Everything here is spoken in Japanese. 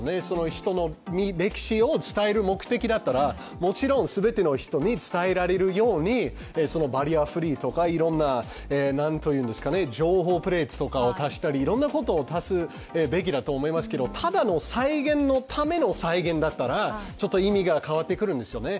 人の歴史を伝える目的だったらもちろん全ての人に伝えられるようにバリアフリーとかいろんな情報プレイスを足したりいろんなことを足すべきだと思いますけどただの再現のための再現だったらちょっと意味が変わってくるんですよね。